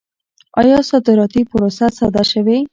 آیا صادراتي پروسه ساده شوې؟